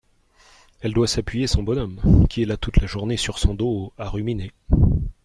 Elle doit s’appuyer son bonhomme, qui est là toute la journée sur son dos, à ruminer.